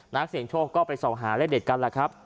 นักเสียงโชคก็ไปส่องหาเลขเด็ดกันแหละครับ